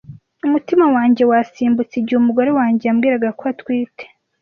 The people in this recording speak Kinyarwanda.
Umutima wanjye wasimbutse igihe umugore wanjye yambwiraga ko atwite.